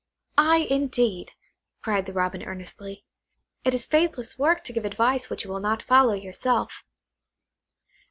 "Ay, indeed," cried the Robin earnestly; "it is faithless work to give advice which you will not follow yourself."